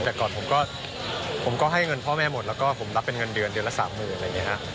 แต่ก่อนผมก็ผมก็ให้เงินพ่อแม่หมดแล้วก็ผมรับเป็นเงินเดือนเดือนละสามหมื่นอะไรอย่างนี้ฮะ